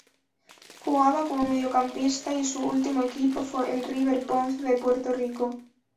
Jugaba como mediocampista y su último equipo fue el River Ponce de Puerto Rico.